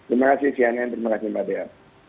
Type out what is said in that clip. terima kasih cnn terima kasih mbak dea